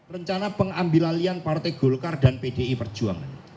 rencana pengambil alian partai golkar dan pdi perjuangan